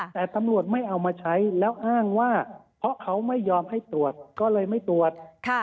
แต่ตำรวจไม่เอามาใช้แล้วอ้างว่าเพราะเขาไม่ยอมให้ตรวจก็เลยไม่ตรวจ